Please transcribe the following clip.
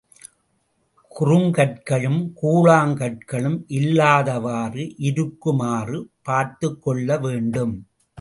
குறுங்கற்களும், கூழாங் கற்களும் இல்லாதவாறு இருக்குமாறு பார்த்துக்கொள்ள வேண்டும்.